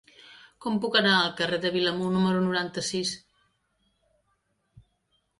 Com puc anar al carrer de Vilamur número noranta-sis?